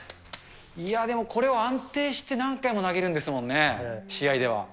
いやでも、これを安定して何回も投げるんですもんね、試合では。